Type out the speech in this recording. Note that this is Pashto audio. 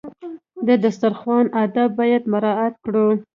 د دسترخوان آداب باید مراعات کړو.